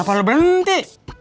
kenapa lo berhenti